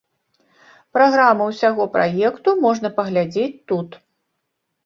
Праграму ўсяго праекту можна паглядзець тут.